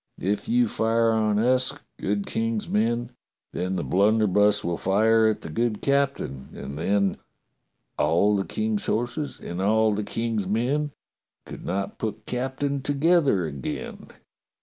If you fire on us, good King's men, then the blunderbuss will fire at the good captain, and then : "*A11 the King's horses and all the King's men Could not put captain together again.'"